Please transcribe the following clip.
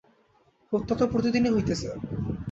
হত্যা তো প্রতিদিনই হইতেছে।